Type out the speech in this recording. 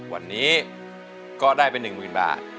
วันนี้ก็ได้เป็นหนึ่งมืออินบาร์